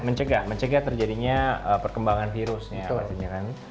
mencegah mencegah terjadinya perkembangan virus ya artinya kan